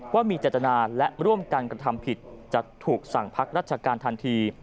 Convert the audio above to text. ว่ามีเจตนาและร่วมกันกระทำผิดจะถูกสั่งพักราชการทันที